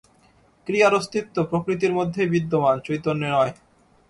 ক্রিয়ার অস্তিত্ব প্রকৃতির মধ্যেই বিদ্যমান, চৈতন্যে নয়।